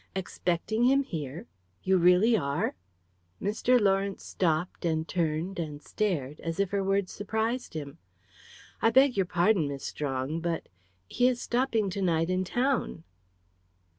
"Expecting him here! You really are!" Mr. Lawrence stopped, and turned, and stared, as if her words surprised him. "I beg your pardon, Miss Strong, but he is stopping to night in town."